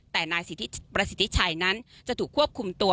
แต่นายประสิทธิชัยนั้นจะถูกควบคุมตัว